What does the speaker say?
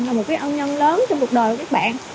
là một cái ông nhân lớn trong cuộc đời của các bạn